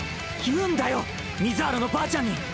言うんだよ水原のばあちゃんに。